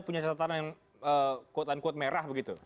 satu satunya yang kuot an kuot merah begitu